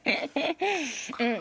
うん。